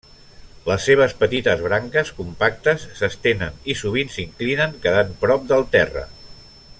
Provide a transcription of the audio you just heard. Les seves petites branques compactes s'estenen, i sovint s'inclinen, quedant prop del terra.